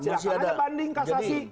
silahkan aja banding kasasi